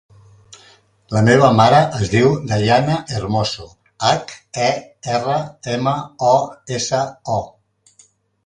La meva mare es diu Dayana Hermoso: hac, e, erra, ema, o, essa, o.